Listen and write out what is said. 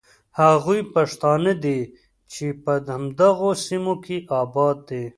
هغوی پښتانه دي چې په همدغو سیمو کې آباد دي.